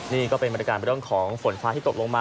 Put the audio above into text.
นี่ก็เป็นบรรยากาศเรื่องของฝนฟ้าที่ตกลงมา